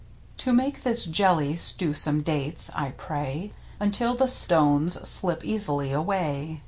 To make this jelly stew some dates, I pray. Until the stones slip easily away.